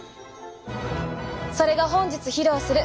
それが本日披露する。